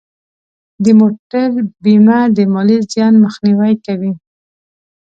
د موټر بیمه د مالی زیان مخنیوی کوي.